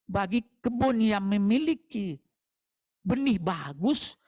bagi kebun yang memiliki benih bagus